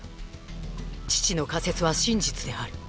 父の仮説は真実である。